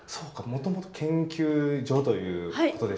もともと研究所ということでしたもんね。